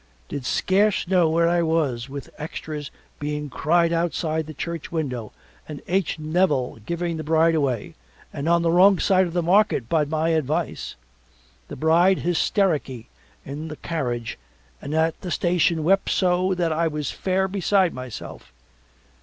Did scarce know where I was with Extras being cried outside the church window and H. Nevil giving the bride away and on the wrong side of the market by my advice. The bride hystericky in the carriage and at the station wept so that I was fair beside myself.